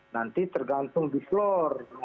nanti tergantung di floor